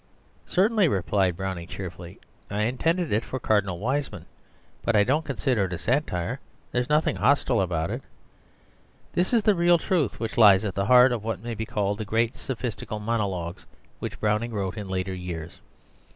"Certainly," replied Browning cheerfully, "I intended it for Cardinal Wiseman, but I don't consider it a satire, there is nothing hostile about it." This is the real truth which lies at the heart of what may be called the great sophistical monologues which Browning wrote in later years.